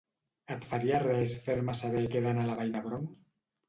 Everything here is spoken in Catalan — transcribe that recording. Et faria res fer-me saber que he d'anar a la Vall d'Hebron?